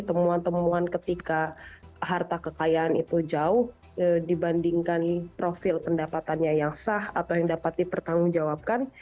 temuan temuan ketika harta kekayaan itu jauh dibandingkan profil pendapatannya yang sah atau yang dapat dipertanggungjawabkan